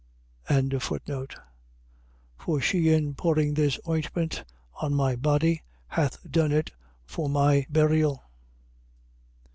26:12. For she in pouring this ointment on my body hath done it for my burial.